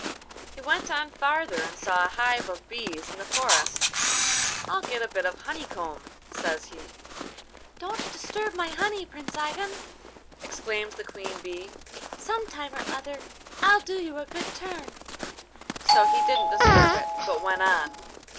He went on farther and saw a hive of bees in the forest. 'I'll get a bit of honeycomb,' says he. 'Don't disturb my honey, Prince Ivan!' exclaims the queen bee; 'some time or other I'll do you a good turn.' So he didn't disturb it, but went on.